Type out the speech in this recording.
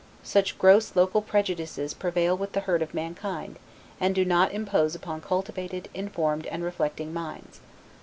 Such gross local prejudices prevail with the herd of mankind, and do not impose upon cultivated, informed, and reflecting minds.